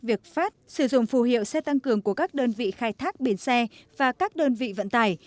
việc phát sử dụng phù hiệu xe tăng cường của các đơn vị khai thác biển xe và các đơn vị vận tải